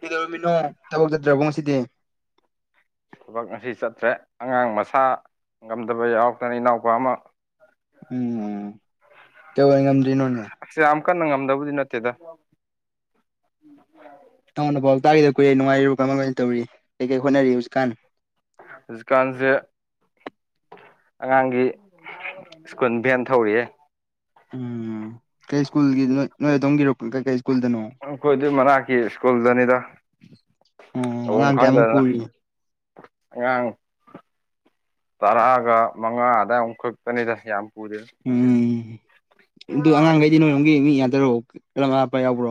ꯀꯩꯗꯧꯔꯝꯃꯤꯅꯣ ꯊꯕꯛ ꯆꯠꯇ꯭ꯔꯕꯣ ꯉꯁꯤꯗꯤ ꯊꯕꯛ ꯉꯁꯤ ꯆꯠꯇ꯭ꯔꯦ ꯑꯉꯥꯡ ꯃꯁꯥ ꯉꯝꯗꯕ ꯌꯥꯎꯔꯛꯇꯅ ꯏꯅꯥꯎꯄꯥ ꯑꯃ ꯎꯝ ꯀꯧꯑꫭꯏ ꯉꯝꯗ꯭ꯔꯤꯅꯣꯅꯦ ꯑꯁꯌꯥꯝ ꯀꯟꯅ ꯉꯝꯗꯕꯗꯤ ꯅꯠꯇꯦꯗ ꯎ [unintelligible] ꯅꯇꯥꯎ ꯅꯄꯥꯎ ꯇꯥꯒꯤꯗ ꯀꯨꯏꯔ‌ꯦ ꯅꯨꯡꯉꯥꯏꯔꯤꯕꯨ ꯀꯃꯥꯏꯃꯥꯏ ꯇꯧꯔꯤ ꯀꯩ ꯀꯩ ꯍꯣꯠꯅꯔꯤ ꯍꯧꯖꯤꯛꯀꯥꯟ ꯍꯧꯖꯤꯀꯥꯟꯖꯦ ꯑꯉꯥꯡꯒꯤ ꯁ꯭ꯀꯨꯟ ꯚꯦꯟ ꯊꯧꯔꯤꯌꯦ ꯎꯝ ꯀꯩ ꯁ꯭ꯀꯨꯜꯒꯤ ꯅꯣꯏ ꯅꯣꯏ ꯑꯗꯣꯝꯒꯤꯔꯣ ꯀꯩ ꯀꯩ ꯁ꯭ꯀꯨꯜꯗꯅꯣ ꯑꯩꯈꯣꯏ ꯑꯗꯨ ꯃꯅꯥꯛꯀꯤ ꯁ꯭ꯀꯨꯜꯗꯅꯤꯗ ꯎꯝ ꯇꯧꯐꯝ ꯑꯉꯥꯡ ꯀꯌꯥꯃꯨꯛ ꯈꯪꯗꯗꯅ ꯄꯨꯔꯤ ꯑꯉꯥꯡ ꯇꯔꯥꯒ ꯃꯉꯥ ꯑꯗꯥꯏ ꯃꯨꯛ ꯈꯛꯇꯅꯤꯗ ꯌꯥꯝ ꯄꯨꯗꯦ ꯎꯝ ꯑꯗꯨ ꯑꯉꯥꯡꯉꯩꯗꯤ ꯅꯣꯏꯔꯣꯝꯒꯤ ꯃꯤ ꯌꯥꯗꯔꯣ ꯂꯝ ꯑꯔꯥꯞꯄꯥ ꯌꯥꯎꯕ꯭ꯔꯣ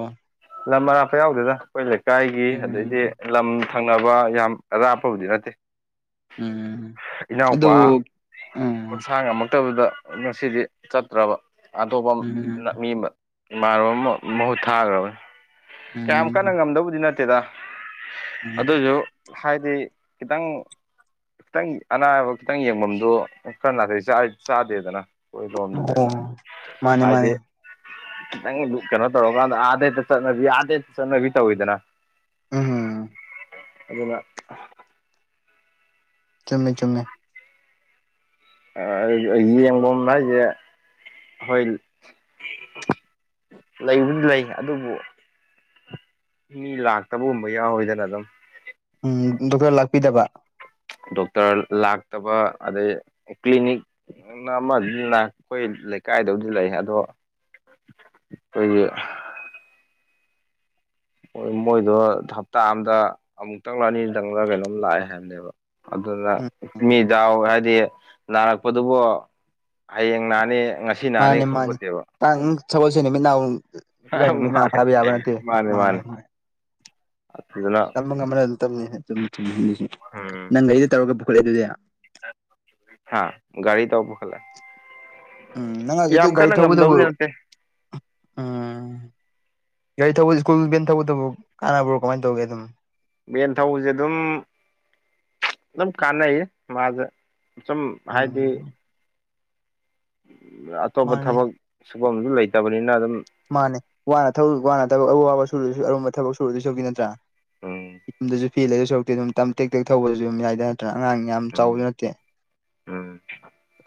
ꯂꯝ ꯑꯔꯥꯞꯄ ꯌꯥꯎꯗꯦꯗ ꯑꯩꯈꯣꯏ ꯂꯩꯀꯥꯏꯒꯤ ꯎꯝ ꯑꯗꯩꯗꯤ ꯂꯝ ꯊꯪꯅꯕ ꯌꯥꯝ ꯑꯔꯥꯞꯄꯕꯨꯗꯤ ꯅꯠꯇꯦ ꯎꯝ ꯏꯅꯥꯎꯄꯥ ꯑꯗꯨꯕꯨ ꯎꯝ ꯃꯁꯥ ꯉꯝꯃꯛꯇꯕꯗ ꯉꯁꯤꯗꯤ ꯆꯠꯇ꯭ꯔꯕ ꯑꯇꯣꯞꯄ ꯎꯝ ꯅ ꯃꯤ ꯑꯃ ꯏꯃꯥꯟꯅꯕꯃ ꯃꯍꯨꯠ ꯊꯥꯈ꯭ꯔꯕꯅꯦ ꯀꯌꯥꯝ ꯎꯝ ꯀꯟꯅ ꯉꯝꯗꯕꯨꯗꯤ ꯅꯠꯇꯦꯗ ꯎꯝ ꯑꯗꯨꯑꯣꯏꯖꯨ ꯍꯥꯏꯗꯤ ꯈꯤꯇꯪ ꯈꯤꯇꯪ ꯑꯅꯥꯕ ꯈꯤꯇꯪ ꯌꯦꯡꯐꯝꯗꯣ ꯀꯔ ꯅꯥꯇꯩ ꯆꯥ ꯆꯥꯗꯦꯗꯅ ꯍꯣꯏ ꯗꯣꯝꯗꯗꯤ ꯑꯣ ꯃꯥꯅꯦ ꯃꯥꯅꯦ ꯍꯥꯏꯗꯤ ꯅꯪ ꯀꯩꯅꯣ ꯇꯧꯔꯀꯥꯟꯗ ꯑꯥꯗꯩ ꯍꯦꯛꯇ ꯆꯠꯅꯕꯤ ꯑꯥꯗꯩ ꯆꯠꯅꯕꯤ ꯇꯧꯋꯤꯗꯅ ꯎꯝ ꯑꯗꯨꯅ ꯆꯨꯝꯃꯦ ꯆꯨꯝꯃꯦ ꯑ ꯌꯦꯡꯕꯝ ꯍꯥꯏꯖꯦ ꯍꯣꯏ ꯂꯩꯕꯨꯗꯤ ꯂꯩ ꯑꯗꯨꯕꯨ ꯃꯤ ꯂꯥꯛꯇꯕꯒꯨꯝꯕ ꯌꯥꯎꯋꯤꯗꯅ ꯑꯗꯨꯝ ꯎꯝ ꯗꯣꯛꯇꯔ ꯂꯥꯛꯄꯤꯗꯕ ꯗꯣꯛꯇꯔ ꯂꯥꯛꯇꯕ ꯑꯗꯩ ꯀ꯭ꯂꯤꯅꯤꯛ ꯅꯪ ꯑꯃꯗꯤ ꯂꯥꯛ ꯈꯣꯏ ꯂꯩꯀꯥꯏꯗꯕꯨꯗꯤ ꯂꯩ ꯑꯗꯣ ꯈ‌ꯣꯏꯒꯤ ꯍꯣꯏ ꯃꯣꯏꯗꯣ ꯍꯞꯇꯥ ꯑꯝꯗ ꯑꯃꯨꯛꯇꯪ ꯂꯥ ꯑꯅꯤꯗꯪ ꯂꯥ ꯀꯩꯅꯣꯝ ꯂꯥꯛꯑꯦ ꯍꯥꯏꯕꯅꯦꯕ ꯑꯗꯨꯅ ꯎꯝ ꯎꯝ ꯃꯤ ꯗꯥꯎ ꯍꯥꯏꯗꯤ ꯅꯥꯔꯛꯄꯗꯨꯕꯨ ꯍꯌꯦꯡ ꯅꯥꯅꯤ ꯉꯥ ꯃꯥꯅꯤ ꯃꯥꯅꯤ ꯇꯥꯡ ꯁꯒꯣꯟꯁꯦꯟ ꯅꯨꯃꯤꯠ [inaudible] ꯏꯔꯥꯏ ꯅꯨꯃꯤꯠ ꯅꯥꯎ ꯃꯥꯅꯦ ꯍꯥꯏꯕ ꯌꯥꯕ ꯅꯠꯇꯦ ꯃꯥꯟꯅꯦ ꯃꯥꯟꯅ‌ꯦ ꯑꯠꯇꯗꯅ ꯑꯃꯒ ꯑꯃꯅ ꯑꯗꯨꯝ ꯇꯝꯅꯤꯍꯦ [inaudible] ꯅꯪ ꯒꯥꯔꯤꯗ ꯇꯧꯔꯒ ꯄꯨꯈꯠꯂꯦ ꯑꯗꯨꯗꯤ ꯍꯥꯥ ꯒꯥꯔꯤ ꯇꯧ ꯄꯨꯈꯠꯂꯦ ꯎꯝ ꯅꯪ ꯑꯗꯨꯗ ꯒꯥꯔꯤ ꯊꯧꯕꯗꯨꯕꯨ ꯎꯝ ꯒꯥꯔꯤ ꯊꯧꯕ ꯁ꯭ꯀꯨꯜ ꯕꯦꯟ ꯊꯧꯕꯗꯨꯕꯨ ꯀꯥꯟꯅꯕ꯭ꯔꯣ ꯀꯃꯥꯏ ꯇꯧꯒꯦ ꯑꯗꯨꯝ ꯕꯦꯟꯊꯧꯕꯖꯦ ꯑꯗꯨꯝ ꯑꯗꯨꯝ ꯀꯥꯟꯅꯩꯌꯦ ꯃꯥꯖꯨ ꯁꯨꯝ ꯍꯥꯏꯗꯤ ꯎꯝ ꯑꯇꯣꯞꯄ ꯃꯥꯅꯤ ꯊꯕꯛ ꯁꯨꯚꯝꯕꯖꯨ ꯂꯩꯇꯕꯅꯤꯅ ꯑꯗꯨꯝ ꯃꯥꯅꯦ ꯋꯥꯅ ꯊꯕꯛ ꯋꯥꯅ ꯊꯕꯛ ꯑꯋꯥꯕ ꯁꯨꯔꯨꯗꯁꯨ ꯑꯔꯨꯝꯕ ꯊꯕꯛ ꯁꯨꯔꯗꯣꯏꯁꯨꯒꯤ ꯅꯠꯇ꯭ꯔꯥ ꯎꯝ ꯌꯨꯝꯗꯖꯨ ꯐꯤ ꯂꯩꯗ‌ꯣꯏ ꯁꯔꯨꯛꯄꯨꯗꯤ ꯑꯗꯨꯝ ꯇꯝ ꯇꯦꯛ ꯇꯦꯛ ꯊꯧꯕꯖꯨ ꯑꯗꯨꯝ ꯌꯥꯏꯗ ꯅꯠꯇ꯭ꯔꯥ ꯑꯉꯥꯡ ꯌꯥꯝ ꯆꯥꯎꯕꯗꯤ ꯎꯝ ꯅꯠꯇꯦ ꯎꯝ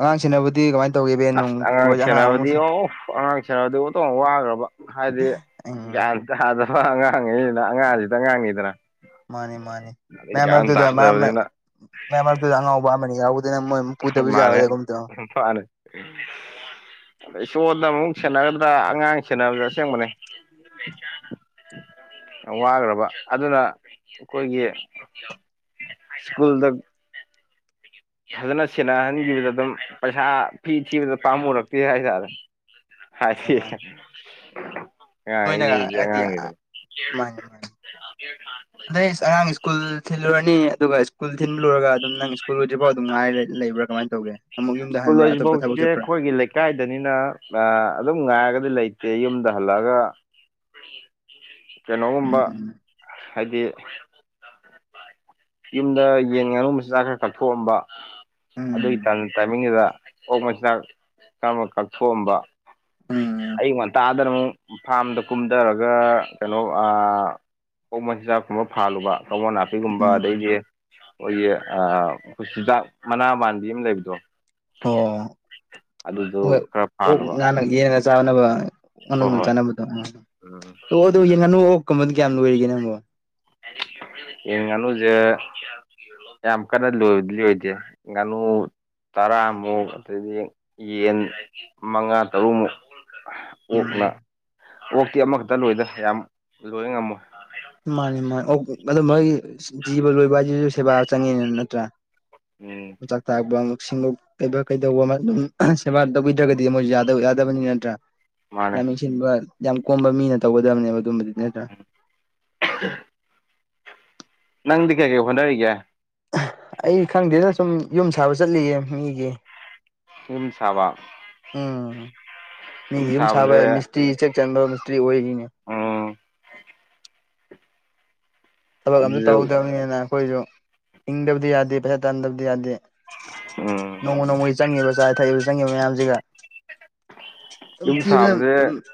ꯑꯉꯥꯡꯁꯦꯟꯅꯕꯨꯗꯤ ꯀꯃꯥꯏꯅ ꯇꯧꯒꯦ ꯚꯦꯟ ꯅꯨꯡ ꯑꯁ ꯑꯉꯥꯡ ꯑꯃꯨꯛ ꯁ‌ꯦꯅꯥꯕꯗꯤ ꯑꫭ ꯑꯉꯥꯡ ꯁ‌ꯦꯅꯕꯗꯤ ꯑꫭꯟꯊꫭꯛꯅ ꯋꯥꯈꯒ꯭ꯔꯕ ꯍꯥꯏꯗꯤ ꯎꯝ ꯒ꯭ꯌꯥꯟ ꯇꯥꯗ ꯑꯉꯥꯡꯒꯩꯅꯤꯗ- [unintelligible] ꯑꯉꯥꯡꯁꯤꯗ-ꯑꯉꯥꯡꯅꯤꯗꯅ ꯃꯥꯅꯤ ꯃꯥꯅꯤ ꯃꯌꯥꯝ ꯒ꯭ꯌꯥꯟ ꯃꯔꯛꯇꯨꯗ ꯇꯥꯗꯕꯅꯤꯅ ꯃꯌꯥꯝ ꯃꯔꯛꯇꯨꯗ ꯑꯉꯥꯎꯕ ꯑꯃ ꯑꯅꯤ ꯌꯥꯎꯕꯗꯨꯅ ꯃꫭꯏ ꯃꯨꯛ ꯄꯨꯗꯕ ꯌꯔꫭꯏꯗꯒꯨꯝ ꯇꯧ ꯃꯅꯦ ꯑꯗꯩ ꯁꯣꯟꯗ ꯑꯃꯨꯛ ꯁꯦꯟꯅꯒꯗ꯭ꯔꯥ ꯑꯉꯥꯡ ꯁꯦꯟꯅꯕꯖꯨ ꯑꯁ‌ꯦꯡꯕꯅ‌ꯦ ꯎ [inaudible] ꯌꯥꯝꯋꯥꯒ꯭ꯔꯕ ꯑꯗꯨꯅ ꯑꯩꯈꯣꯏꯒꯤ ꯁ꯭ꯀꯨꯜꯗ ꯐꯖꯅ ꯁꯦꯟꯅꯍꯟꯈꯤꯕꯗ ꯑꯗꯨꯝ ꯄꯩꯁꯥ ꯐꯤ ꯊꯤꯕꯗ ꯄꯥꯝꯃꯔꯛꯇꯦ ꯍꯥꯏꯇꯥꯔꯦ ꯃꯥꯅꯤ ꯍꯥꯏꯗꯤ ꯃꯥꯅꯤ ꯅꯣꯏꯅꯒ ꯑꯉꯥꯡꯒꯩꯖꯤꯗꯤ ꯍꯥꯏꯗꯤ ꯑꯉꯥꯡꯅꯤꯗꯅ ꯀꯦ ꯃꯥꯅꯤ ꯃꯥꯅꯤ [unintelligible] [unintelligible] ꯑꯗꯩ ꯑꯉꯥꯡ ꯁ꯭ꯀꯨꯜ ꯊꯤꯜꯂꯨꯔꯅꯤ ꯑꯗꯨꯒ ꯁ꯭ꯀꯨꯜ ꯊꯤꯟꯕꯂ‌ꯣꯏꯔꯒ ꯑꯗꯨꯝ ꯅꯪ [inaudible] ꯁ꯭ꯀꯨꯜꯨ꯭ꯔꯤꯐꯥꯎ ꯑꯗꯨꯝ ꯉꯥꯏ ꯂꯩꯕ꯭ꯔꯥ ꯀꯃꯥꯏꯅ ꯇꯒꯦ ꯑꯃꯛ ꯌꯨꯝꯗ ꯁ꯭ꯀꯨꯜ ꯍꯟꯕ꯭ꯔ ꯑꯇꯣꯞꯄ ꯊꯕꯛ ꯍꯧꯖꯤꯛꯐꯥꯎꯁꯦ ꯆꯠꯄꯔꯥ ꯑꯩꯈꯣꯏꯒꯤ ꯂꯩꯀꯥꯏꯗꯅꯤꯅ ꯑꯗꯨꯝ ꯉꯥꯏꯔꯒꯗꯤ ꯂꯩꯇꯦ ꯌꯨꯝꯗ ꯍꯜꯂꯛꯑꯒ ꯎꯝ ꯀꯩꯅꯣꯒꯨꯝꯕ ꯍꯥꯏꯗꯤ ꯌꯨꯝꯗ ꯌꯦꯟ ꯉꯥꯅꯨ ꯃꯆꯤꯟ ꯖꯥꯛ ꯈꯔ ꯀꯛꯊꯣꯛꯑꯝꯕ ꯎꯝ ꯑꯗꯨꯒꯤ ꯇꯥꯏꯃꯤꯡꯗꯨꯗ ꯑꯣꯛ ꯃꯆꯤꯟꯗꯥꯛ ꯀꯔꯝꯕ [unintelligible] ꯀꯛꯊꯣꯛꯑꯝꯕ ꯎꯝ ꯑꯌꯨꯛ ꯉꯟꯇꯥꯗꯅ ꯑꯃꯨꯛ ꯐꯥꯔ꯭ꯝꯗ ꯀꯨꯝꯗꯔꯒ ꯀꯩꯅꯣ ꯑꯥ ꯑꫭꯛ ꯃꯆꯤꯟꯖꯥꯛꯀꯨꯝꯕ ꯐꯥꯥꯜꯂꯨꯕ ꯀꯕꫭ ꯅꯥꯄꯤ ꯎꯝ ꯑꯗꯩꯗꯤ ꯑꯩꯈꯣꯏꯒꯤ ꯑꯈꫭꯏꯒꯤ ꯆꯤꯟꯖꯥꯛ ꯃꯅꯥ ꯃꯥꯟꯕꯤ ꯑꯃ ꯂꯩꯕꯗꯣ ꯑꯣ ꯑꯗꯨꯗꯣ ꯍꯣꯏ ꯈꯔ ꯑꯣꯛ ꯐꯥꯜꯂꯨꯕ ꯉꯥꯟꯅ ꯌꯦꯟꯅ ꯆꯥꯅꯕ ꯍꯣꯏ ꯉꯥꯅꯨꯅ ꯍꯣꯏ ꯆꯥꯅꯕꯗꯣ ꯎꯝ ꯑꯣ ꯑꯗꫭ ꯌꯦꯟ ꯉꯥꯅꯨ ꯑꫭꯛ ꯀꯨꯝꯕꯗꯤ ꯀꯌꯥꯝ ꯂꯣꯏꯔꯤꯒꯦ ꯅꯪꯕꯣ ꯌꯦꯟ ꯉꯥꯅꯨꯁꯦ ꯌꯥꯝ ꯀꯟꯅ ꯂꫭꯏꯕꯗꯤ ꯑꯣꯏꯗꯦ ꯌꯦꯟ ꯉꯥꯅꯨ ꯇꯔꯥꯃꯨꯛ ꯑꯗꯩꯗꯤ ꯌꯦꯟ ꯃꯉꯥ ꯇꯔꯨꯛꯃꯨꯛ ꯎꯝ ꯑꯣꯛꯅ ꯑꯣꯛꯇꯤ ꯑꯃꯈꯛꯇ ꯂꯣꯏꯗ ꯌꯥꯝ ꯂꯣꯏ ꯉꯝꯃꯣꯏ ꯃꯥꯅꯤ ꯃꯥꯅꯤ ꯑꯣ ꯑꯗꯨ ꯃꯣꯏꯒꯤ ꯖꯤꯕ ꯂꯣꯏꯕ ꯍꯥꯏꯁꯤꯁꯨ ꯁꯦꯕꯥ ꯆꯪꯉꯤꯅ‌ꯦ ꯅꯠꯇ꯭ꯔꯥ ꯎꯝ [unintelligible] ꯀꯩꯕ ꯀꯩꯗꯧꯕ ꯑꯗꯨꯝ ꯁꯦꯕꯥ ꯇꯧꯕꯤꯗ꯭ꯔꯒꯗꯤ ꯃꯣꯏꯁꯨ ꯌꯥ ꯌꯥꯗꯕꯅꯤ ꯅꯠꯇ꯭ꯔꯥ ꯃꯥꯅꯦ ꯌꯥꯝ ꯌꯦꯡꯁꯤꯟꯕ ꯌꯥꯝ ꯀꯣꯝꯕ ꯃꯤꯅ ꯇꯧꯒꯗꯕꯅꯦꯕ ꯑꯗꯨꯝꯕꯗꯨꯗꯤ ꯅꯠꯇ꯭ꯔꯥ ꯑꯍꯨ [unintelligible] ꯅꯪꯗꯤ ꯀꯩꯀꯩ‌ ꯍꯣꯠꯅꯔꯤ ꯒꯦ ꯑꯩ ꯈꯪꯗꯦꯅ ꯁꯨꯝ ꯌꯨꯝ ꯁꯥꯕ ꯆꯠꯂꯤꯌꯦ ꯃꯤꯒꯤ ꯌꯨꯝ ꯁꯕꯥ ꯎꯝ ꯃꯤꯒꯤ ꯌꯨꯝ ꯁꯥꯕ ꯁꯥꯕꯁꯦ ꯃꯤꯁꯇ꯭ꯔꯤ ꯆꯦꯛ ꯆꯟꯕ ꯃꯤꯁꯇ꯭ꯔꯤ ꯑꯣꯏꯔꯤꯅꯦ ꯎꯝ ꯊꯕꯛ ꯑꯝꯃꯖꯨ ꯑꯗꯨꯁꯨ ꯇꯧꯍꯧꯗꯕꯅꯤꯅ ꯑꯩꯈꯣꯏꯁꯨ ꯏꯪꯗꯕꯗꯤ ꯌꯥꯗꯦ ꯄꯩꯁꯥ ꯇꯥꯗꯕꯗꯤ ꯌꯥꯗꯦ ꯎꯝ ꯅꯣꯡꯃ ꯅꯣꯡꯃꯒꯤ ꯆꯪꯉꯤꯕ ꯆꯥ ꯊꯛꯏꯕ ꯆꯪꯉꯤꯕ ꯃꯌꯥꯝꯁꯤꯒ ꯑꯗꯨꯝ ꯌꯨꯝ ꯊꯤꯕ ꯁꯥꯕꯁꯦ [unintelligible]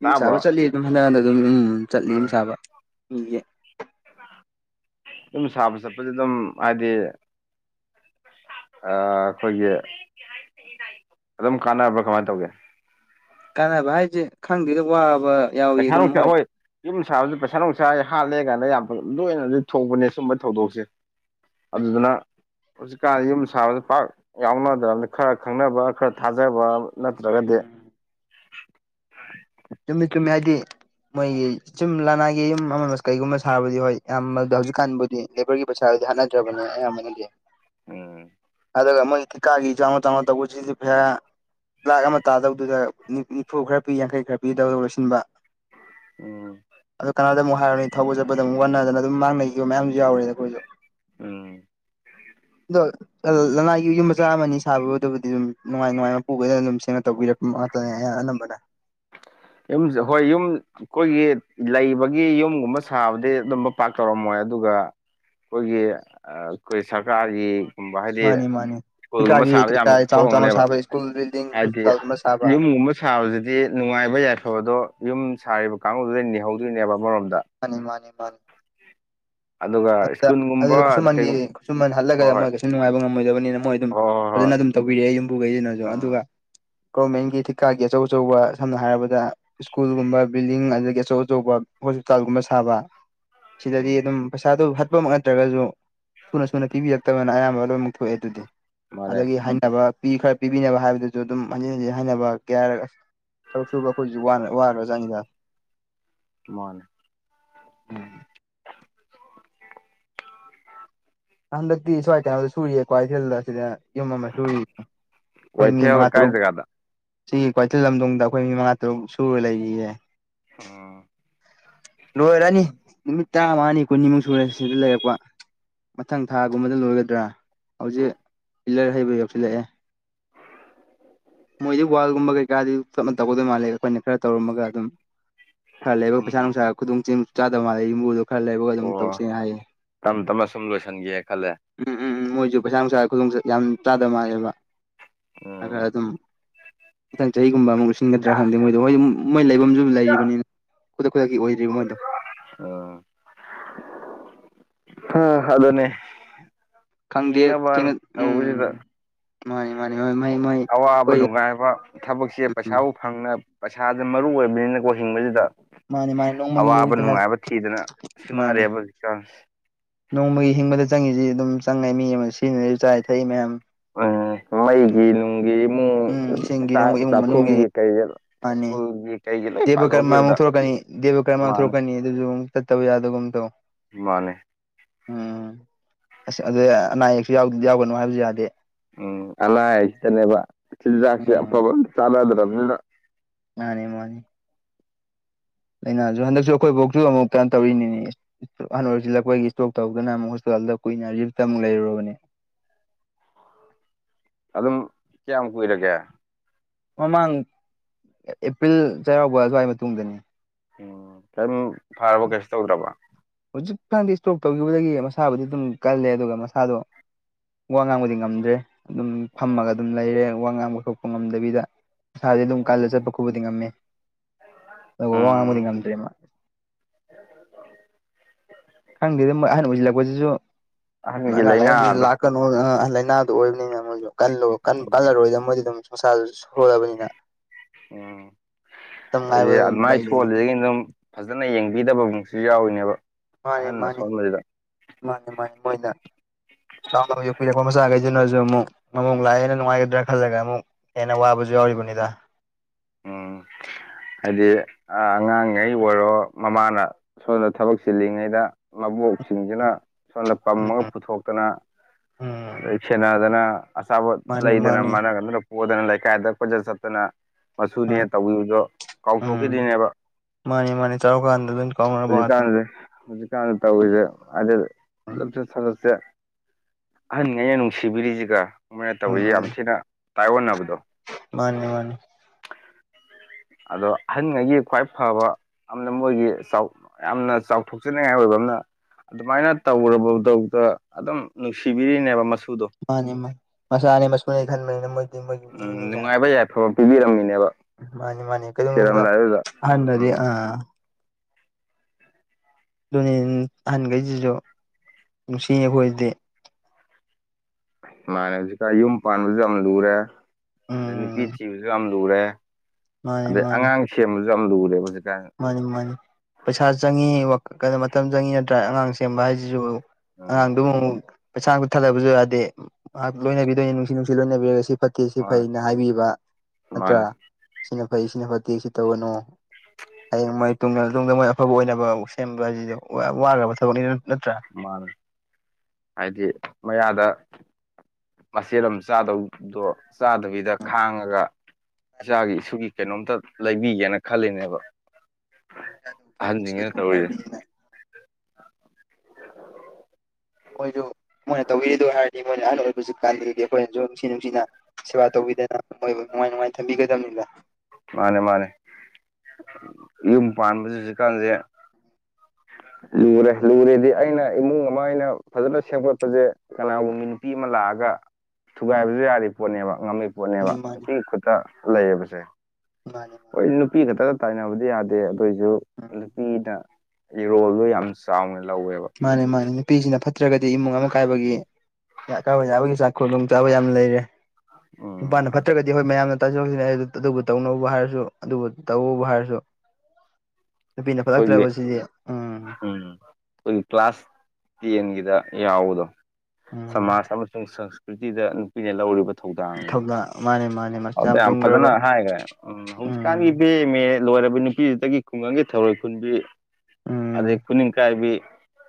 ꯌꯨꯝ ꯁꯥꯕ ꯇꯥꯕ꯭ꯔꯣ ꯆꯠꯂꯤ ꯑꯗꯨꯝ [unintelligible] ꯑꯗꯨꯝ ꯆꯠꯂꯤ ꯌꯨꯝ ꯎꯝ ꯁꯥꯕ [unintelligible] ꯌꯨꯝ ꯁꯥꯕ ꯆꯠꯄꯁꯦ ꯑꯗꯨꯝ ꯍꯥꯏꯗꯤ ꯑꯥ ꯑꯩꯈꯣꯏꯒꯤ ꯑꯗꯨꯝ ꯀꯥꯟꯅꯕ꯭ꯔꯥ ꯀꯃꯥꯏꯅ ꯇꯧꯒꯦ ꯀꯥꯟꯅꯕ ꯍꯥꯏꯖ‌ꯦ ꯈꯪꯗꯦꯗ ꯋꯥꯕ ꯌꯥꯎꯏ ꯄꯩꯁꯥ ꯑꯗꯨꯝ ꯅꯨꯡꯁ ꯍꯣꯏ ꯌꯨꯝ ꯁꯥꯕꯖ‌ꯦ ꯄꯩꯁꯥ-ꯅꯨꯡꯁꯥ ꯍꯥꯠꯂꯦ ꯒꯥꯟꯅ ꯌꯥꯝ ꯇꫭꯏꯅꯗꯤ ꯊꯣꯛꯄꯅꯦ ꯁꯨꯝꯕ ꯊꯧꯗꯣꯛꯁꯦ ꯑꯗꯨꯗꯨꯅ ꯍꯧꯖꯤꯛꯀꯥꯟ ꯌꯨꯝ ꯁꯥꯕꯁ ꯄꯥꯛ ꯌꯥꯎꯅꯗ꯭ꯔꯕꯗꯤ ꯈꯔ ꯈꯪꯅꯕ ꯈꯔ ꯊꯥꯖꯕ ꯅꯠꯇ꯭ꯔꯒꯗꯤ ꯎꯝ ꯆꯨꯝꯃꯤ ꯆꯨꯝꯃꯤ ꯍꯥꯏꯗꯤ ꯃꯣꯏꯒꯤ ꯁꯨꯝ ꯂꯅꯥꯏꯒꯤ ꯌꯨꯝ ꯑꯃꯒ ꯀꯩꯒꯨꯝꯕ ꯁꯥꯕꯨꯗꯤ ꯍꯣꯏ ꯌꯥꯝꯕꯗ ꯍꯧꯖꯤꯛꯀꯥꯟꯕꯨꯗꯤ ꯂꯦꯕꯔꯒꯤ ꯄꯩꯁꯥꯗꯨꯗꯤ ꯍꯥꯠꯅꯗ꯭ꯔꯕꯅꯦ ꯑꯌꯥꯝꯕꯅꯗꯤ ꯎꯝ ꯑꯗꯨꯒ ꯃꯣꯏ ꯊꯤꯀꯥꯒꯤ [inaudible] ꯇꯧꯕꯁꯤꯗꯤ [inaudible] ꯂꯥꯛ ꯑꯃ ꯇꯥꯗꯧꯗꯨꯗ ꯅꯤꯞ ꯅꯤꯐꯨ ꯈꯔ ꯄꯤ ꯌꯥꯡꯈꯩ ꯈꯔ ꯄꯤ ꯄꯤꯗꯧꯔ ꯂꯣꯏꯁꯤꯟꯕ ꯎꯝ ꯑꯗꯨ ꯀꯅꯥꯗ ꯑꯃꯨꯛ ꯍꯥꯏꯔꯅꯤ ꯊꯧꯕ ꯆꯠꯄꯗ ꯑꯃꯨꯛ ꯑꯣꯟꯅꯗꯅ ꯑꯗꯨꯝ ꯃꯥꯡꯅꯈꯤꯕ ꯃꯌꯥꯝꯁꯨ ꯌꯥꯎꯔꯦ ꯑꯩꯈꯣꯏꯁꯨ ꯎꯝ ꯑꯗꯣ ꯂꯅꯥꯏꯒꯤ ꯌꯨꯝ ꯃꯆꯥ ꯑꯃꯅꯤ ꯁꯥꯕꯗꯨꯕꯨꯗꯤꯝ ꯅꯨꯡꯉꯥꯏ ꯅꯨꯡꯉꯥꯏꯕ ꯄꯨꯈꯅ ꯑꯗꯨꯝ ꯁꯦꯡꯅ ꯇꯧꯕꯤꯔꯛꯄ ꯑꯗꯨꯝꯕ ꯉꯥꯛ ꯇꯅꯦ ꯑꯅꯝꯕꯅ ꯌꯨꯝꯁꯤꯗ ꯍꯣꯏ ꯌꯨꯝ ꯑꯩꯈꯣꯏꯒꯤ ꯂꯩꯕꯒꯤ ꯌꯨꯝꯒꯨꯝꯕ ꯁꯥꯕꯗꯤ ꯑꯗꯨꯝꯕ ꯄꯥꯛꯔ ꯇꯧꯔꯝꯃꯣꯏ ꯑꯗꯨꯒ ꯑꯩꯈꯣꯏꯒꯤ ꯑ ꯑꯩꯈꯣꯏ ꯁꯔꯀꯥꯔꯒꯤ ꯒꯨꯨꯝꯕ ꯍꯥꯏꯗꯤ ꯃꯥꯅꯤ ꯃꯥꯅꯤ ꯁ꯭ꯀꯨꯜꯒꯨꯝꯕ ꯀꯩꯀꯥꯒꯤ ꯁꯥꯕ ꯌꯥꯝ ꯀꯩꯀꯥ ꯆꯥꯎꯅ ꯆꯥꯎꯅ ꯊꯣꯛꯣꯡꯑꯒꯅꯦꯕ ꯁꯥꯕ ꯁ꯭ꯀꯨꯜ ꯕꯤꯜꯗꯤꯡ ꯍꯥꯏꯗꯤ ꯍꯣꯁꯄꯤꯇꯥꯜꯒꯨꯝꯕ ꯁꯥꯕ ꯌꯨꯝꯒꯨꯝꯕ ꯌꯨꯝ ꯁꯥꯕꯁꯤꯗꯤ ꯅꯨꯡꯉꯥꯏꯕ ꯌꯥꯏꯐꯕꯗꯣ ꯌꯨꯝ ꯁꯥꯔꯤꯕ ꯀꯥꯡꯕꯨꯗꯨꯗ ꯅꯤꯍꯧꯗꯣꯏꯅꯦꯕ ꯑꯃꯔꯣꯝꯗ ꯃꯥꯅꯤ ꯃꯥꯅꯤ ꯃꯥꯅꯤ ꯑꯗꯨꯒ ꯑ ꯁ꯭ꯀꯨꯜꯒꯨꯝꯕ ꯑꯗꯨꯗ ꯈꯨꯠꯁꯨꯃꯟꯒꯤ ꯀꯩꯒꯨꯝ ꯈꯨꯠꯁꯨꯃꯟ ꯍꯠꯂꯒ ꯍꯣꯏ ꯍꯣꯏ ꯃꯣꯏ ꯀꯩꯁꯨ ꯅꯨꯡꯉꯥꯏꯕ ꯉꯝꯃꯣꯏꯗꯕꯅꯤꯅ ꯃꯣꯏ ꯑꯗꯨꯝ ꯍꯣꯏ ꯍꯣꯏ ꯐꯖꯅ ꯍꯣꯏ ꯑꯗꯨꯝ ꯇꯧꯕꯤꯔꯛꯑꯦ ꯌꯨꯝꯕꯨꯈꯩꯗꯨꯅꯁꯨ ꯎꯝ ꯑꯗꯨꯒ ꯒꯣꯔꯃꯦꯟꯒꯤ ꯊꯤꯀꯥꯒꯤ ꯑꯆꯧ ꯑꯆꯧꯕ ꯁꯝꯅ ꯍꯥꯏꯔꯕꯗ ꯁ꯭ꯀꯨꯜꯒꯨꯝꯕ ꯕꯤꯜꯗꯤꯡ ꯑꯗꯒꯤ ꯑꯆꯧ ꯑꯆꯧꯕ ꯀꯥꯜꯒꯨꯝꯕ ꯁꯥꯕ ꯁꯤꯗꯗꯤ ꯎꯝ ꯑꯗꯨꯝ ꯄꯩꯁꯥꯗꯨꯣ ꯍꯥꯠꯄꯃꯛ ꯅꯠꯇ꯭ꯔꯒꯁꯨ ꯁꯨꯅ ꯁꯨꯅ ꯄꯤꯕꯤꯔꯛꯇꯕꯅ ꯑꯌꯥꯝꯕ ꯂꯣꯏꯅꯃꯛ ꯊꯣꯛꯑꯦ ꯑꯗꯨꯗꯤ ꯃꯥꯅꯦ ꯑꯗꯒꯤ ꯍꯥꯏꯅꯕ ꯄꯤ ꯈꯔ ꯄꯤꯕꯤꯅꯕ ꯍꯥꯏꯕꯗꯨꯁꯨ ꯑꯗꯨꯝ ꯍꯟꯖꯤꯟ ꯍꯟꯖꯤꯟ ꯍꯥꯏꯅꯕ ꯀꯌꯥ ꯍꯥꯏꯔ ꯊꯔꯛ ꯁꯨꯕ ꯑꯩꯈꯣꯏꯁꯨ ꯋꯥꯈ꯭ꯔ ꯋꯥꯒ꯭ꯔꯖꯥꯅꯤꯗ ꯃꯥꯅꯦ ꯎꯝ ꯍꯟꯗꯛꯇꯤ ꯁ꯭ꯋꯥꯏ ꯀꯩꯅꯣꯗ ꯁꯨꯔꯤꯌꯦ ꯀ꯭ꯋꯥꯛꯀꯧꯊꯦꯜꯗ ꯁꯤꯗ ꯌꯨꯝ ꯑꯃ ꯁꯨꯔꯤ ꯑꯩꯈꯣꯏ ꯃꯤ ꯃꯉꯥ ꯋꯥꯏꯊꯦꯜ ꯀꯥꯏ ꯇꯔꯨꯛ ꯖꯒꯥꯗ ꯁꯤꯒꯤ ꯀ꯭ꯋꯥꯏꯊꯦꯜ ꯂꯝꯗꯣꯡꯗ ꯑꯩꯈꯣꯏ ꯃꯤ ꯃꯉꯥ-ꯇꯔꯨꯛ ꯁꯨꯔ ꯂꯩꯔꯤꯌꯦ ꯑꯣ ꯂꯣꯏꯔꯅꯤ ꯅꯨꯃꯤꯠ ꯇꯔꯥꯃꯉꯥꯅꯤ ꯀꯨꯟꯅꯤꯃꯨꯛ ꯁꯨꯔꯦ ꯁꯤꯗ ꯂꯩꯔꯛꯄ ꯃꯊꯪ ꯊꯥꯒꯨꯝꯕꯗ ꯂꯣꯏꯒꯗ꯭ꯔꯥ ꯍꯧꯖꯤꯛ ꯄꯤꯂꯔ ꯍꯩꯕ ꯌꯧꯁꯤꯜꯂꯛꯑꯦ ꯃꯣꯏꯗꯤ ꯋꯥꯜꯒꯨꯝꯕ ꯀꯩꯀꯥꯗꯤ ꯐꯞꯅ ꯇꯧꯒꯗꯧ ꯃꯥꯜꯂꯦ ꯑꯩꯈꯣꯏꯅ ꯈꯔ ꯇꯧꯔꯝꯃꯒ ꯑꯗꯨꯝ [unintelligible] ꯄꯩꯁꯥ ꯎꯝ ꯅꯨꯡꯁꯥ ꯈꯨꯗꯣꯡ ꯆ ꯆꯥꯗꯕ ꯃꯥꯜꯂꯦ ꯌꯨꯝꯕꯨꯗꯨ ꯑꯣ ꯇꯞꯅ ꯇꯞꯅ ꯁꯨꯝ ꯂꯣꯏꯁꯟꯒꯦ ꯈꯜꯂꯦ ꯎꯝ ꯎꯝ ꯎꯝ ꯃꯣꯏꯁꯨ ꯄꯩꯁꯥ ꯅꯨꯡꯁꯥ ꯈꯨꯗꯣꯡ ꯆ ꯌꯥꯝ ꯆꯥꯗꯕ ꯃꯥꯜꯂꯦꯕ ꯈꯔ ꯎꯝ ꯑꯗꯨꯝ ꯃꯊꯪ ꯆꯍꯤꯒꯨꯝꯕ ꯑꯃꯨꯛ ꯂꯨꯞꯁꯤꯟꯒꯗ꯭ꯔꯥ ꯈꯪꯗꯦ ꯃꯣꯏꯗꯣ ꯃꯣꯏ ꯃꯣꯏ ꯂꯩꯐꯝꯁꯨ ꯂꯩꯔꯤꯕꯅꯤꯅ ꯈꯨꯗꯛ ꯈꯨꯗꯛꯀꯤ ꯑꯣꯏꯗꯔꯤꯕ ꯃꯣꯏꯗꯣ [unintelligible] ꯑꯥ ꯑꯗꯨꯅꯦ ꯈꯪꯗꯦ ꯍꯤꯡꯅꯕꯅ ꯊꯦꯡꯅ ꯇꯧꯕꯁꯤꯗ ꯎꯝ ꯃꯥꯅꯤ ꯃꯥꯅꯤ ꯍꯣꯏ ꯃꯣꯏ ꯃꯣꯏ ꯑꯋꯥꯕ ꯍꯣꯏ ꯅꯨꯡꯉꯥꯏꯕ ꯊꯕꯛꯁꯦ ꯄꯩꯁꯥ ꯎ ꯐꯪꯅꯕ ꯄꯩꯁꯥꯖ‌ꯦ ꯃꯔꯨ ꯑꯣꯏꯕꯅꯤꯅꯀꯣ ꯍꯤꯡꯕꯖꯤꯗ ꯃꯥꯅꯤ ꯃꯥꯅꯤ ꯑꯋꯥꯕ ꯅꯣꯡꯃꯒꯤ ꯄꯩꯁꯥ ꯅꯨꯡꯉꯥꯏꯕ ꯊꯤꯗꯅ ꯃꯥꯅꯤ ꯁꯨꯅꯔꯦꯕ ꯍꯧꯖꯤꯛꯀꯥꯟꯁꯦ ꯅꯣꯡꯃꯒꯤ ꯍꯤꯡꯕꯗ ꯆꯪꯉꯤꯁꯤ ꯑꯗꯨꯝ ꯆꯪꯉꯦ ꯃꯤ ꯑꯃ ꯁꯤꯖꯤꯟꯅꯔꯁꯨ ꯆꯥꯏ ꯊꯛꯏ ꯃꯌꯥꯝ ꯎꯝ ꯅꯨꯡꯒꯤ ꯅꯨꯡꯒꯤ ꯏꯃꯨꯡ ꯎꯝ ꯆꯥꯛꯈꯨꯝꯒꯤ ꯀꯩ ꯃꯥꯅ‌ꯦ ꯗꯦꯕ ꯀ꯭ꯔꯃ ꯑꯃꯨꯛ ꯊ‌ꯣꯔꯛꯀꯅꯤ ꯗꯦꯕ ꯀ꯭ꯔꯃ ꯃꯥꯅꯦ ꯊ‌ꯣꯔꯛꯀꯅꯤ ꯑꯗꯨꯁꯨ ꯑꯃꯨꯛ ꯆꯠꯇꯕ ꯌꯥꯗꯕꯒꯨꯝ ꯇꯧ ꯃꯥꯅꯦ ꯎꯝ ꯑꯁ ꯑꯗꯩ ꯑꯅꯥ ꯑꯌꯦꯛꯁꯨ ꯌꯥꯎꯗꯗꯤ ꯌꯥꯎꯒꯅꯨ ꯍꯥꯏꯕꯁꯨ ꯌꯥꯗꯦ ꯎꯝ ꯑꯂꯥ ꯑꯌꯦꯛꯁꯤꯗꯅꯦꯕ ꯆꯤꯟꯖꯥꯛꯁꯤ ꯎꯝ ꯑꯐꯕ ꯑꯃꯇ ꯆꯥꯅꯗ꯭ꯔꯕꯅꯤꯅ ꯃꯥꯅꯦ ꯃꯥꯅꯦ ꯂꯥꯏꯅꯥꯁꯨ ꯍꯟꯗꯛꯁꯨ ꯑꯩꯈꯣꯏꯕꯣꯛꯁꯨ ꯑꯃꯨꯛ ꯀꯩꯅꯣ ꯇꯧꯔꯤꯅꯤꯅꯦ ꯑꯍꯟ ꯑꯣꯏꯁꯤꯜꯂꯛꯄꯒꯤ ꯏꯁꯇꯣꯛ ꯇꯧꯗꯅ ꯑꯃꯨꯛ ꯍꯣꯁꯄꯤꯇꯥꯜꯗ ꯀꯨꯏꯅ ꯔꯤꯃꯁꯇ ꯑꯃꯨꯛ ꯂꯩꯔꯨꯔꯕꯅꯦ ꯑꯗꯨꯝ ꯀꯌꯥꯝ ꯀꯨꯏꯔꯒꯦ ꯃꯃꯥꯡ ꯑꯦꯄ꯭ꯔꯤꯜ ꯆꯩꯔꯥꯎꯕ ꯑꯗꯨꯋꯥꯏ ꯃꯇꯨꯡꯗꯅꯤ ꯎꯝ ꯑꯗꯨꯝ ꯐꯔꯕ ꯀꯩꯁꯨ ꯇꯧꯗ꯭ꯔꯕ ꯍꯧꯖꯤꯛ ꯐꯪꯗꯤꯦ ꯏꯁꯇꯣꯛ ꯇꯧꯈꯤꯕꯗꯒꯤ ꯃꯁꯥꯕꯨꯗꯤ ꯑꯗꯨꯝ ꯀꯜꯂꯦ ꯑꯗꯨꯒ ꯃꯁꯥꯗꯣ ꯋꯥ ꯉꯥꯡꯕꯗꯤ ꯉꯝꯗ꯭ꯔꯦ ꯑꯗꯨꯝ ꯐꯝꯃꯒ ꯑꯣ ꯑꯗꯨꯝ ꯂꯩꯔꯦ ꯋꯥ ꯉꯥꯡꯕꯊꯣꯛꯄ ꯉꯝꯗꯕꯤꯗ ꯏꯁꯥꯁꯦ ꯑꯗꯨꯝ ꯀꯥꯂ ꯎꯝ ꯆꯠꯄꯣꯠ ꯋꯥ ꯉꯥꯡꯕꯗꯤ ꯉꯝꯗ꯭ꯔꯦ ꯃꯥ ꯍ ꯈꯪꯗꯦ ꯑꯗꯨ ꯑꯍꯟ ꯑꯣꯏꯁꯤꯜꯂꯛꯄꯁꯤꯁꯨ ꯑꯍꯟꯒꯤ ꯑꯅꯥ ꯂꯥꯏꯌꯦꯡꯗꯨ ꯂꯥꯏꯅꯥꯗꯣ ꯀꯩꯅꯣ ꯂꯥꯏꯅꯥꯗ ꯑꯣꯏꯕꯅꯤꯅ ꯃꯣꯏꯁꯨꯂ ꯎꯝ ꯀꯜꯂꯔꯣꯏꯗꯕ ꯃꯣꯏꯗꯤꯗ ꯃꯁꯥꯗꯨꯁꯨ ꯁꯣꯜꯂꯕꯅꯤꯅ ꯎꯝ ꯃꯇꯝ ꯉꯥꯏꯕ ꯑꯗꯨꯗꯤ ꯑꯗꯨꯝ ꯑꯗꯨꯃꯥꯏ ꯂꯩꯔꯤꯅꯤ ꯁꯣꯜꯂꯤꯗꯒꯤ ꯑꯗꯨꯝ ꯐꯖꯅ ꯌꯦꯡꯕꯤꯗꯕ ꯃꯨꯛꯁꯨ ꯌꯥꯎꯋꯅꯦꯕ ꯃꯥꯅꯦ ꯃꯥꯅꯦ ꯃꯥꯅꯦ ꯃꯥꯅꯦ ꯃꯣꯏꯗ ꯆꯥꯎꯅ ꯌꯣꯛꯄꯤꯔꯛꯄ ꯃꯆꯥꯈꯩꯁꯤꯅꯁꯨ ꯑꯃꯨꯛ ꯃꯨꯛ ꯂꯥꯛꯑꯦꯅ ꯅꯨꯡꯉꯥꯏꯒꯗ꯭ꯔꯥꯅ ꯈꯜꯂꯒ ꯑꯃꯨꯛ ꯍ‌ꯦꯟꯅ ꯋꯥꯕꯖꯨ ꯌꯥꯎꯔꯤꯕꯅꯤꯗ ꯎꯝ [unintelligible] ꯍꯥꯏꯗꯤ ꯑꯉꯥꯡꯉꯩ ꯑꯣꯏꯔꯣ ꯃꯃꯥꯅ ꯁꯣꯝꯗ ꯊꯕꯛ ꯆꯤꯜꯂꯤꯉꯩꯗ ꯃꯕꯣꯛꯁꯤꯡꯖꯤꯅ ꯁꯣꯝꯗ ꯎꯝ ꯄꯝꯃꯒ ꯄꯨꯊꯣꯛꯇꯅ ꯎꯝ ꯑꯗꯩ ꯁꯦꯟꯅꯗꯅ ꯑꯆꯥꯄꯣꯠ ꯃꯥꯅꯤ ꯂꯩꯗꯅ ꯃꯥꯅꯤ ꯃꯥꯅ ꯉꯟꯗꯨꯅ ꯄꯣꯗꯅ ꯂꯩꯀꯥꯏꯗ ꯐꯖ ꯆꯠꯇꯅ ꯃꯆꯨꯅꯦ ꯎꯝ ꯇꯧꯕꯤꯕꯗꯣ ꯀꯥꯎꯊꯣꯛꯈꯤꯗꯣꯏꯅꯦꯕ ꯃꯥꯅꯦ ꯃꯥꯅꯦ ꯍꯧꯖꯤꯛ ꯀꯥꯦ ꯍꯧꯖꯤ ꯀꯅ ꯇꯧꯔꯤꯁꯦ ꯎꯝ ꯍꯥꯏꯗꯤ ꯁꯗꯁꯦ ꯑꯍꯟ ꯒꯩꯅ ꯅꯨꯡꯁꯤꯕꯤꯔꯤꯁꯤꯒ ꯃ‌ꯣꯏꯅ ꯇꯧ [inaudible] ꯌꯥꯝ ꯎꯝ ꯊꯤꯅ ꯇꯥꯏꯌꯣꯟꯅꯕꯗꯣ ꯃꯥꯅꯤ ꯃꯥꯅꯤ ꯑꯗꯣ ꯑꯍꯟꯉꯩꯒꯤ ꯈ꯭ꯋꯥꯏ ꯐꯕ ꯌꯥꯝꯅ ꯃꯣꯏꯒꯤ ꯆꯥꯎ ꯌꯥꯝꯅ ꯆꯥꯎꯊꯣꯛꯆꯅꯤꯡꯉꯥꯏ ꯑꯣꯏꯕ ꯑꯃꯅ ꯑꯗꯨꯃꯥꯏꯅ ꯇꯧꯔꯕꯗꯧꯗ ꯑꯗꯨꯝ ꯅꯨꯡꯁꯤꯕꯤꯔꯤꯅꯦꯕ ꯃꯆꯁꯨꯗꯣ ꯃꯥꯅꯦ ꯃꯥ ꯃꯁꯥꯅ‌ꯦ ꯃꯁꯨꯅ‌ꯦ ꯈꯟꯕꯅ‌ꯦ ꯎꯝ ꯅꯨꯡꯉꯥꯏꯕ ꯌꯥꯏꯐꯕ ꯄꯤꯕꯤꯔꯝꯃꯤꯅꯦꯕ ꯃꯥꯅꯤ ꯃꯥꯅꯤ ꯀꯩꯗꯧꯅꯨꯡꯗ ꯁꯤꯔꯝꯗꯥꯏꯗꯨꯗ ꯍꯥꯟꯅꯗꯤ ꯑ ꯎꯝ ꯑꯗꯨꯅꯦ ꯑꯍꯟꯈꯩꯁꯤꯁꯨ ꯅꯨꯡꯁꯤꯉꯦ ꯑꯩꯈꯣꯏꯗꯤ ꯃꯥꯥꯟꯅꯦ ꯍꯧꯖꯤꯛꯀ ꯌꯨꯝ ꯄꯥꯟꯕꯁꯨ ꯌꯥꯝ ꯂꯨꯔꯦ ꯑꯗꯩ ꯅꯨꯄꯤ ꯎꯝ ꯊꯤꯕꯁꯨ ꯌꯥꯝ ꯂꯨꯔꯦ ꯃꯥꯅꯤ ꯑꯗꯩ ꯃꯥꯅꯤ ꯑꯉꯥꯡ ꯁꯦꯝꯕꯁꯨ ꯌꯥꯝ ꯂꯨꯔꯦꯕ ꯍꯧꯖꯤꯛꯀꯥꯟ ꯃꯥꯅꯤ ꯃꯥꯅꯤ ꯄꯩꯁꯥ ꯆꯪꯉ ꯀꯩꯅꯣ ꯃꯇꯝ ꯆꯪꯏꯤ ꯅꯠꯇ꯭ꯔꯒ ꯑꯉꯥꯡ ꯁꯦꯝꯕ ꯍꯥꯏꯁꯤꯁꯨ ꯎꯝ ꯑꯉꯥꯡꯗꯨꯃꯨꯛ ꯄꯩꯁꯥ [inaudible] ꯊꯜꯂꯕꯁꯨ ꯌꯥꯗꯦ ꯉꯥꯛꯁꯨ ꯂꯣꯏꯅꯕꯤꯗꯣꯏꯅꯤ ꯅꯨꯡꯁꯤ-ꯅꯨꯡꯁꯤ ꯂꯣꯏꯅꯕꯤꯔꯒ ꯁꯤ ꯐꯠꯇꯦ ꯁꯤ ꯃꯥꯅꯦ ꯐꯅ ꯍꯥꯏꯕꯤꯕ ꯅꯠꯇ꯭ꯔꯥ ꯃꯥꯅꯦ ꯁꯤꯅ ꯐꯩ ꯁꯤꯅ ꯐꯠꯇꯦ ꯁꯤ ꯇꯧꯒꯅꯨ ꯍꯌ‌ꯦꯡ ꯃꯈꫭꯏ ꯇꯨꯡꯗ ꯇꯨꯡꯗ ꯑꯐꯕ ꯑꯣꯏꯅꯕ ꯁꯦꯝꯕ ꯍꯥꯏꯁꯤꯗ ꯋꯥꯈ꯭ꯔꯕ ꯊꯕꯛꯅꯤꯅ ꯅꯠꯇ꯭ꯔꯥ ꯃꯥꯅꯦ ꯍꯥꯏꯗꯤ ꯃꯌꯥꯗ ꯃꯁꯦꯜꯠ ꯑꯃ ꯆꯥꯗꯧꯗꯣ ꯆꯥꯗꯕꯤꯗ ꯈꯥꯡꯉꯒ ꯏꯆꯥꯒꯤ ꯏꯁꯨꯒꯤ ꯀꯩꯅꯣꯝꯇ ꯂꯩꯕꯤꯒꯦꯅ ꯈꯜꯂꯤꯅꯦꯕ ꯌꯥ ꯎꯥꯔ ꯁꯣꯏ ꯑꯍꯟꯁꯤꯡꯁꯤꯅ ꯇꯧꯔꯤꯁꯦ ꯎꯔꯂꯤ ꯃꯣꯏꯁꯨ ꯃꯣꯏꯅ ꯇꯧꯕꯤꯔꯤꯗ ꯍꯥꯏꯔꯗꯤ ꯃꯣꯏꯅ ꯑꯍꯟ ꯑꯣꯏꯕꯁꯨ ꯀꯥꯟꯗꯨꯗꯗꯤ ꯑꯩꯈꯣꯏꯅꯁꯨ ꯅꯨꯡꯁꯤ ꯅꯨꯡꯁꯤꯅ ꯁꯦꯕꯥ ꯇꯧꯕꯤꯗꯅ ꯃꯣꯏꯕꯨ ꯅꯨꯡꯉꯥꯏ-ꯅꯨꯡꯉꯥꯏꯅ ꯊꯝꯕꯤꯒꯗꯕꯅꯤꯅ ꯃꯥꯅꯦ ꯃꯥꯅꯦ ꯌꯨꯝ ꯄꯥꯟꯕꯁ ꯍꯧꯖꯤꯛꯀꯥꯟꯁꯦ ꯂꯨꯔꯦ-ꯂꯨꯔꯦꯗꯤ ꯑꯩꯅ ꯏꯃꯨꯡ ꯑꯃ ꯑꯩꯅ ꯐꯖꯅ ꯁꯦꯝꯒꯠꯄꯖ‌ꯦ ꯀꯅꯥꯒꯨꯝ ꯃꯤ ꯅꯨꯄꯤ ꯑꯃ ꯂꯥꯛꯑꯒ ꯊꯨꯒꯥꯏꯕꯁꯨ ꯌꯥꯗꯦ ꯄꯣꯠꯅꯦꯕ ꯉꯝꯃꯤ ꯄꯣꯠꯅꯦꯕ ꯃꯥꯅꯤ ꯅꯨꯄꯤꯒꯤ ꯈꯨꯠꯇ ꯂꯩꯌꯦꯕꯁꯦ ꯃꯥꯅꯦ ꯍꯣꯏ ꯅꯨꯄꯤ ꯈꯛꯇꯒ ꯇꯥꯏꯅꯕꯗꯤ ꯌꯥꯗꯦ ꯑꯗꯨ ꯑꯣꯏꯁꯨ ꯎꯝ ꯅꯨꯄꯤꯅ ꯏꯔꯣꯜꯗꯣ ꯌꯥꯝ ꯆꯥꯎꯅ ꯂꯧꯋꯦꯕ ꯃꯥꯅꯦ ꯃꯥꯅꯦ ꯅꯨꯄꯤꯁꯤꯅ ꯐꯠꯇ꯭ꯔꯒꯗꯤ ꯏꯃꯨꯡ ꯑꯃ ꯀꯥꯏꯕꯒꯤ ꯑꯀꯔꯕ ꯌꯥꯕꯒꯤ ꯆꯥꯛ ꯈꯨꯗꯣꯡꯆꯥꯥꯕ ꯌꯥꯝꯅ ꯂꯩꯔꯦ ꯎꯝ ꯅꯨꯄꯥꯅ ꯐꯠꯇ꯭ꯔꯒꯗꯤ ꯍꯣꯏ ꯃꯌꯥꯝꯅ [inaudible] ꯑꯗꯨꯕꯨ ꯇꯧꯅꯧꯕꯨ ꯍꯥꯏꯔꯁꯨ ꯑꯗꯨꯕꯨ ꯇꯧꯕꯨ ꯍꯥꯏꯔꯁꯨ ꯅꯨꯄꯤꯅ ꯑꯩꯈꯣꯏꯒꯤ ꯐꯠꯂꯛꯇ꯭ꯔꯕꯁꯤꯗꯤ ꯎꯝ ꯑꯩꯈꯒꯤ ꯀ꯭ꯂꯥꯁ ꯇꯦꯟꯒꯤꯗ ꯌꯥꯎꯕꯗꯣ ꯎꯝ ꯁꯃꯥꯖ ꯑꯃꯁꯨꯡ ꯄ꯭ꯔꯤꯇꯤꯗ ꯅꯨꯄꯤꯅ ꯂꯧꯔꯤꯕ ꯊꯧꯗꯥꯡꯅꯤꯗ ꯊꯧꯗꯥ ꯃꯥꯅꯦ ꯃꯥꯅꯦ ꯃꯁ ꯑꯗꯨꯗ ꯌꯥꯝ ꯆꯨꯝꯈ꯭ꯔꯕ ꯐꯖꯅ ꯍꯥꯏꯈ꯭ꯔꯦ ꯎꯝ ꯎꯝ ꯍꯧꯖꯤꯛꯀꯥꯟꯒꯤꯗꯤ ꯂꯣꯏꯔꯕ ꯅꯨꯄꯤꯗꯨꯗꯒꯤ ꯈꯨꯡꯒꯪꯒꯤ ꯊꯧꯔꯣꯏ ꯈꯨꯟꯕꯤ ꯑꯗꯩ ꯎꯝ ꯈꯨꯅꯤꯡ ꯀꯥꯏꯕꯤ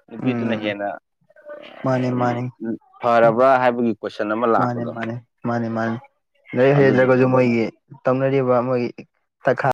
ꯅꯨꯄꯤꯗꯨꯅ ꯎꯝ ꯍꯦꯟꯅ ꯃꯥꯅꯦ ꯃꯥꯅꯦ ꯐꯔꯕ꯭ꯔꯥ ꯍꯥꯏꯕꯒꯤ ꯀꯣꯏꯁꯟ ꯑꯃ ꯃꯥꯅꯦ ꯂꯥꯛꯄꯗꯣ ꯃꯥꯅꯦ ꯃꯥꯅꯦ ꯂꯥꯏꯔꯤꯛ ꯍꯩꯖꯗ꯭ꯔꯒꯁꯨ ꯑꯗꯨꯗꯨꯅꯦ ꯃꯣꯏꯒꯤ ꯇꯧꯅꯔꯤꯕ ꯃꯣꯏꯒꯤ